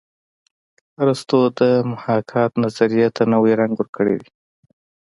ارستو د محاکات نظریې ته نوی رنګ ورکړی دی